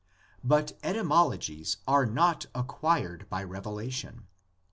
But etymologies are not acquired by revelation.